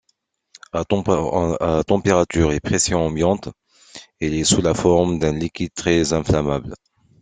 À température et pression ambiantes, il est sous la forme d'un liquide très inflammable.